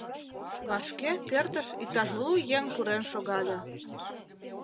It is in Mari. Вашке пӧртыш иктаж лу еҥ пурен шогале.